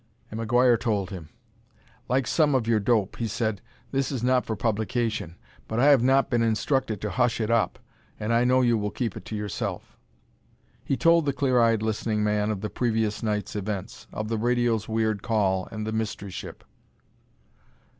And McGuire told him. "Like some of your dope," he said, "this is not for publication. But I have not been instructed to hush it up, and I know you will keep it to yourself." He told the clear eyed, listening man of the previous night's events. Of the radio's weird call and the mystery ship.